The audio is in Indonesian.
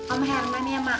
om herman ya mak